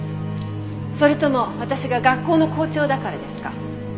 それとも私が学校の校長だからですか？